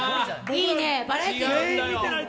いいね、バラエティー。